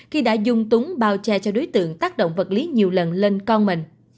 khi đã dung túng bao che cho đối tượng tác động vật lý nhiều lần lên con mình